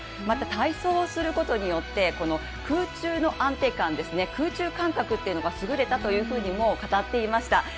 また体操をすることによって、空中の安定感ですね、空中感覚というのが優れたというふうにも語っていました。